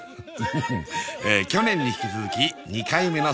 去年に引き続き２回目の里帰り企画